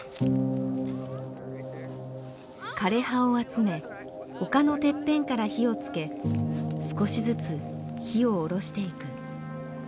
枯れ葉を集め丘のてっぺんから火をつけ少しずつ火を下ろしていく。